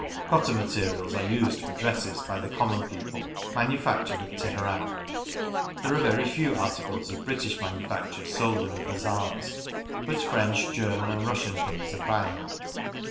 Cotton materials are used for dresses by the common people, manufac tured at Teheran. There are very few articles of British manufacture sold in the bazaars ; but French, German, and Russian things abound.